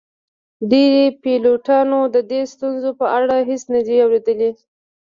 ډیری پیلوټانو د دې ستونزو په اړه هیڅ نه دي اوریدلي